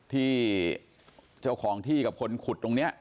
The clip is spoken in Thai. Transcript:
ที่เจ้าของที่กับคนขุดตรงนี้